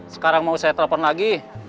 sekarang mau saya telepon lagi